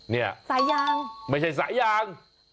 เนี่ยสายยางไม่ใช่สายยาง